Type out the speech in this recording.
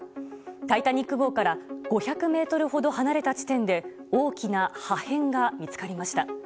「タイタニック号」から５００ｍほど離れた地点で大きな破片が見つかりました。